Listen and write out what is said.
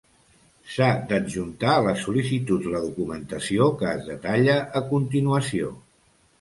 S'ha d'adjuntar a les sol·licituds la documentació que es detalla a continuació.